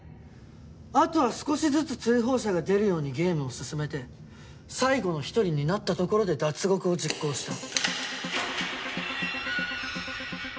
あとは少しずつ追放者が出るようにゲームを進めて最後の一人になったところで脱獄を実行した。